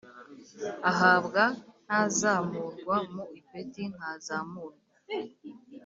Ahabwa ntazamurwa mu ipeti ntazamurwa